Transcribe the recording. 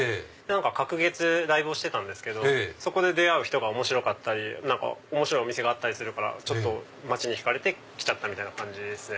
隔月ライブをしてたんですけどそこで出会う人が面白かったり面白いお店があったりするから街に引かれて来ちゃったみたいな感じですね。